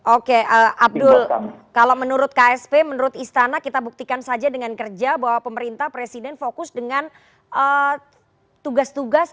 oke abdul kalau menurut ksp menurut istana kita buktikan saja dengan kerja bahwa pemerintah presiden fokus dengan tugas tugas